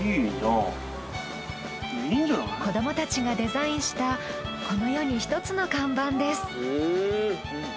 子どもたちがデザインしたこの世に１つの看板です。